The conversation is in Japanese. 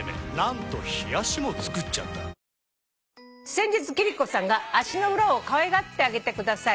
「先日貴理子さんが『足の裏をかわいがってあげてください』」